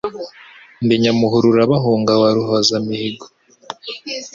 Ndi Nyamuhurura bahunga, wa Ruhozamihigo,